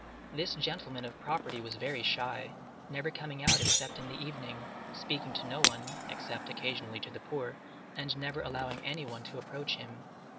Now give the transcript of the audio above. This gentleman of property was very shy,—never coming out except in the evening, speaking to no one, except, occasionally to the poor, and never allowing any one to approach him.